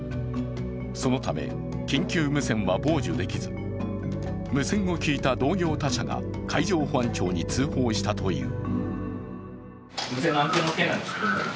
そのため、緊急無線は傍受できず、無線を聞いた同業他社が海上保安庁に通報したという。